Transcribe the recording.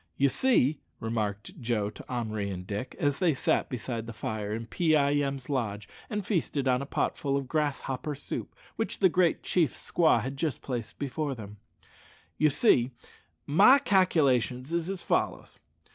"Ye see," remarked Joe to Henri and Dick, as they sat beside the fire in Pee eye em's lodge, and feasted on a potful of grasshopper soup, which the great chief's squaw had just placed before them "ye see, my calc'lations is as follows.